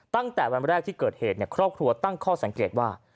ตั้งแต่วันแรกที่เกิดเหตุครอบครัวตั้งข้อสังเกตว่า